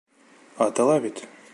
Атыла бит!